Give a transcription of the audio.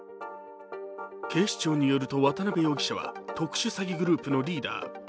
警視庁によると、渡辺容疑者は特殊詐欺グループのリーダー。